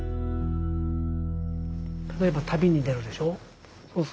例えば旅に出るでしょう？